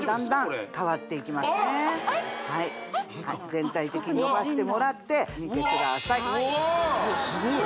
全体的にのばしてもらって見てくださいすごい！